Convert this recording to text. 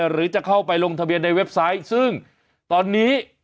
หรือจะเข้าไปลงทะเบียนในเว็บไซต์ซึ่งตอนนี้